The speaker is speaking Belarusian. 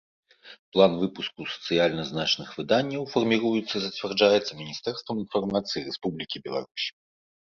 План выпуску сацыяльна значных выданняў фармiруецца i зацвярджаецца Мiнiстэрствам iнфармацыi Рэспублiкi Беларусь.